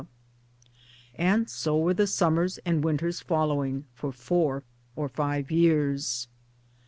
And so were the summers and, winters following, for four or five years.